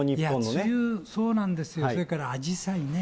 梅雨、そうなんですよ、それからあじさいね。